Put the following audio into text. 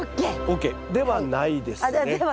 ＯＫではないですね。